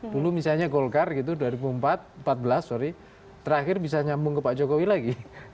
dulu misalnya golkar gitu dua ribu empat belas terakhir bisa nyambung ke pak jokowi lagi